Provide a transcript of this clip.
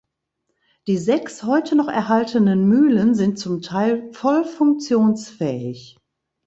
Die sechs heute noch erhaltenen Mühlen sind zum Teil voll funktionsfähig.